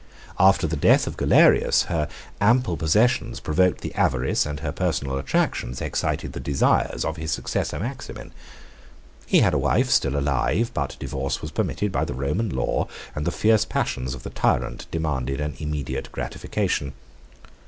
After the death of Galerius, her ample possessions provoked the avarice, and her personal attractions excited the desires, of his successor, Maximin. 81 He had a wife still alive; but divorce was permitted by the Roman law, and the fierce passions of the tyrant demanded an immediate gratification.